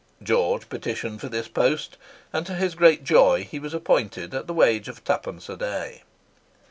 George petitioned for this post, and, to his great joy, he was appointed at the wage of twopence a day.